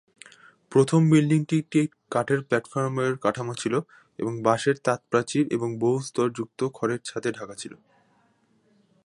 প্রথম বিল্ডিংটি একটি কাঠের প্ল্যাটফর্মের কাঠামো ছিল এবং বাঁশের তাঁত প্রাচীর এবং বহু-স্তরযুক্ত খড়ের ছাদে ঢাকা ছিল।